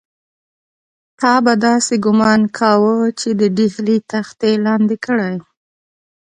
تا به داسې ګومان کاوه چې د ډهلي تخت یې لاندې کړی.